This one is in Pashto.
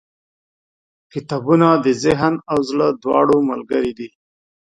• کتابونه د ذهن او زړه دواړو ملګري دي.